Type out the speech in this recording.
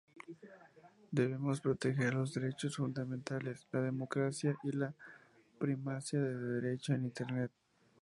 Debemos proteger los derechos fundamentales, la democracia y la primacía del Derecho en Internet.